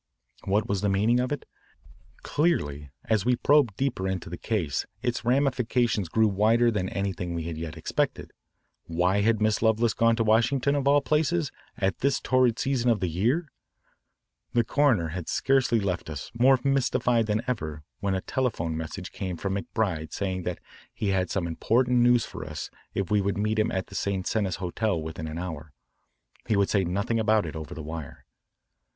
What was the meaning of it? Clearly, as we probed deeper into the case, its ramifications grew wider than anything we had yet expected. Why had Miss Lovelace gone to Washington, of all places, at this torrid season of the year? The coroner had scarcely left us, more mystified than ever, when a telephone message came from McBride saying that he had some important news for us if we would meet him at the St. Cenis Hotel within an hour. He would say nothing about it over the wire.